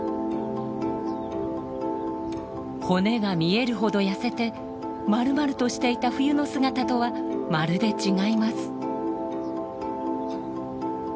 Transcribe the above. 骨が見えるほど痩せてまるまるとしていた冬の姿とはまるで違います。